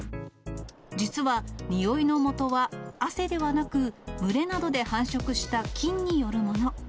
実は、臭いのもとは汗ではなく、蒸れなどで繁殖した菌によるもの。